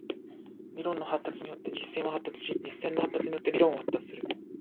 理論の発達によって実践は発達し、実践の発達によって理論は発達する。